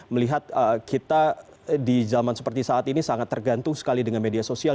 melihat kita di zaman seperti saat ini sangat tergantung sekali dengan media sosial